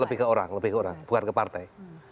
lebih ke orang lebih ke orang bukan ke partai